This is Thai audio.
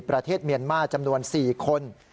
ประเทศเมียนมาร์จำนวน๔คน